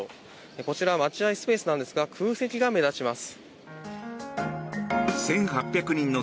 こちら待合スペースなんですが空席が目立ちます。